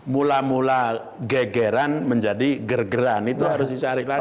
mula mula gegeran menjadi gergeran itu harus dicari lagi